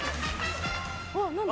わっ何だ？